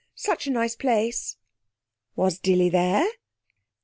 Such a nice place.' 'Was Dilly there?'